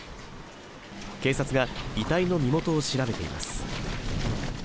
警察が遺体の身元を調べています。